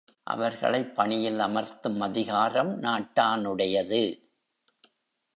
அவர்களைப் பணியில் அமர்த்தும் அதிகாரம் நாட்டானுடையது.